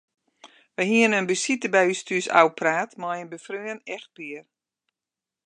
Wy hiene in besite by ús thús ôfpraat mei in befreone echtpear.